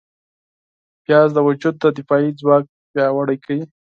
پیاز د وجود دفاعي ځواک پیاوړی کوي